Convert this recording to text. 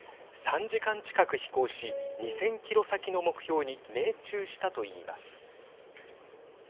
３時間近く飛行し２０００キロ先の目標に命中したといいます。